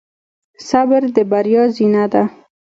صبر د بریا زینه ده.